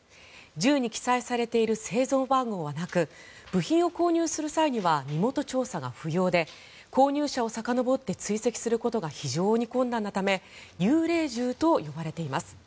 銃に記載されている製造番号はなく部品を購入する際には身元調査が不要で購入者をさかのぼって追跡することが非常に困難なため幽霊銃といわれています。